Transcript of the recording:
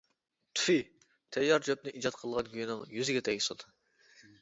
تۈفى تەييار چۆپنى ئىجاد قىلغان گۇينىڭ يۈزىگە تەگسۇن!